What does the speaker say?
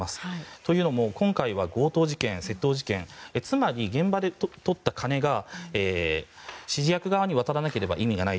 というのも、今回は強盗事件、窃盗事件つまり、現場でとった金が指示役側に渡らなければ意味がない。